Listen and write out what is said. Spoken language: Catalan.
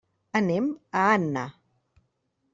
Anem a Anna.